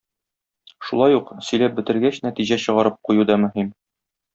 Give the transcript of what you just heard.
Шулай ук, сөйләп бетергәч, нәтиҗә чыгарып кую да мөһим.